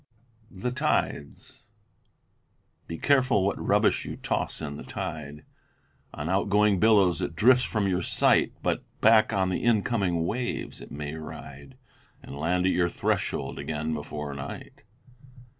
THE TIDES Be careful what rubbish you toss in the tide. On outgoing billows it drifts from your sight, But back on the incoming waves it may ride And land at your threshold again before night.